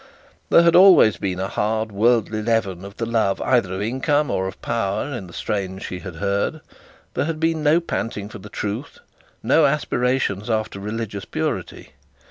There had always been a hard worldly leaven of the love either of income or power in the strains that she had heard; there had been no panting for the truth; no aspirations after religious purity.